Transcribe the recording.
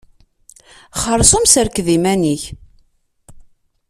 Xerṣum serked iman-ik.